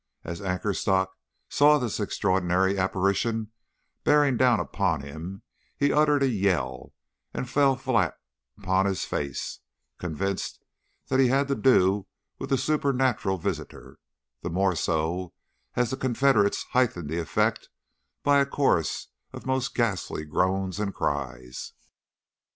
As Anchorstock saw this extraordinary apparition bearing down upon him, he uttered a yell and fell flat upon his face, convinced that he had to do with a supernatural visitor, the more so as the confederates heightened the effect by a chorus of most ghastly groans and cries.